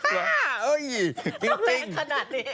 ละจริงน้องแรงขนาดนี้